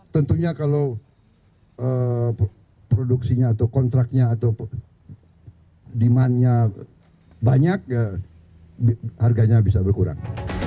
tentunya kalau produksinya atau kontraknya atau demandnya banyak harganya bisa berkurang